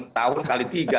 enam tahun kali tiga